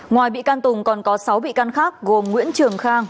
ngoài bị can tùng còn có sáu bị can khác gồm nguyễn trường khang